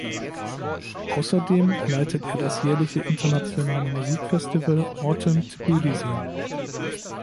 Außerdem leitet er das jährliche Internationale Musikfestival "Autumn Tbilisi".